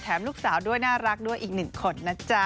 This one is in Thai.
แถมลูกสาวด้วยน่ารักด้วยอีก๑คนนะจ๊ะ